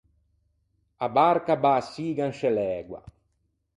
A barca a bäçiga in sce l’ægua.